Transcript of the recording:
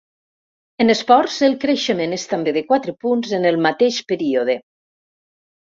En esports, el creixement és també de quatre punts en el mateix període.